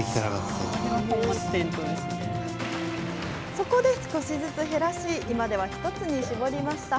そこで少しずつ減らし今では１つに絞りました。